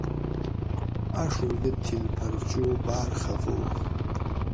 آۤڛوم یہ تھِل پھر چو باۤر خفہ ہُو